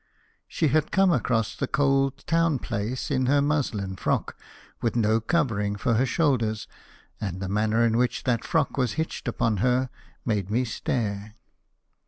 She had come across the cold town place in her muslin frock, with no covering for her shoulders; and the manner in which that frock was hitched upon her made me stare.